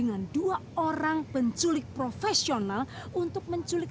ada sup produk